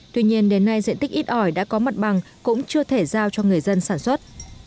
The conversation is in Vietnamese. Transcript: tuy nhiên đến nay diện tích ít ỏi đã có mặt bằng cũng chưa thể giao cho người dân sản xuất